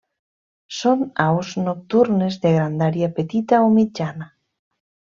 Són aus nocturnes de grandària petita o mitjana.